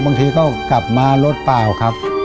บางทีก็กลับมารถเปล่าครับ